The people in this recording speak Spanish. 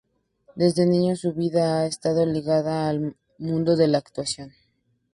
Desde niño su vida ha estado ligada al mundo de la actuación.